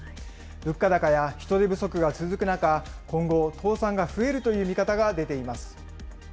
物価高や人手不足が続く中、今後、倒産が増えるという見方が出ています。